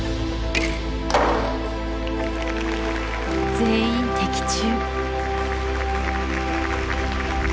全員的中。